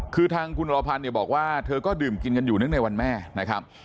คือทางคุณรพันธ์เนี่ยบอกว่าเธอก็ดื่มกินกันอยู่เนื่องในวันแม่นะครับ